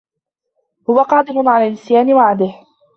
هو قادر على نسيان وعده.